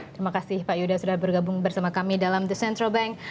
terima kasih pak yudha sudah bergabung bersama kami dalam the central bank